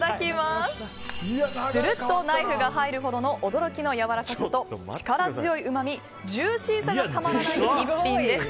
するっとナイフが入るほどの驚きのやわらかさと力強いうまみジューシーさがたまらない逸品です。